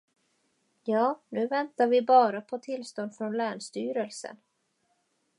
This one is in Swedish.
Ja, nu väntar vi bara på tillstånd från länsstyrelsen.